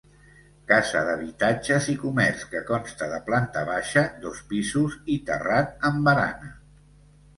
Casa d'habitatges i comerç que consta de planta baixa, dos pisos i terrat amb barana.